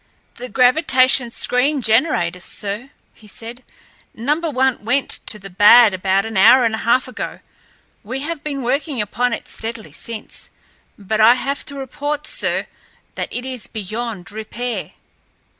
"The gravitation screen generators, sir," he said. "Number one went to the bad about an hour and a half ago. We have been working upon it steadily since; but I have to report, sir, that it is beyond repair."